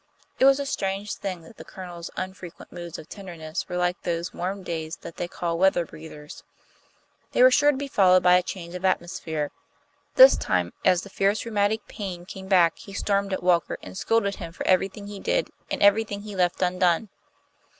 It was a strange thing that the Colonel's unfrequent moods of tenderness were like those warm days that they call weather breeders. They were sure to be followed by a change of atmosphere. This time as the fierce rheumatic pain came back he stormed at Walker, and scolded him for everything he did and everything he left undone.